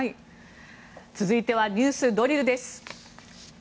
続いてはＮＥＷＳドリルです。